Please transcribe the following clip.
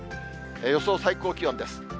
予想最高気温です。